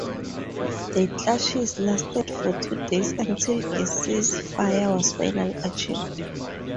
The clashes lasted for two days, until a ceasefire was finally achieved.